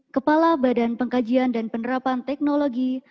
kepala badan pengkajian dan penerapan teknologi